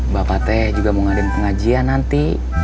bapak teh juga mau ngadain pengajian nanti